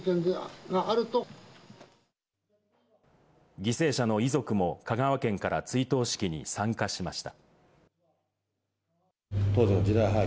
犠牲者の遺族も香川県から追悼式に参加しました。